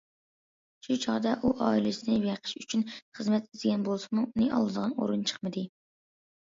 شۇ چاغدا ئۇ ئائىلىسىنى بېقىش ئۈچۈن خىزمەت ئىزدىگەن بولسىمۇ، ئۇنى ئالىدىغان ئورۇن چىقمىدى.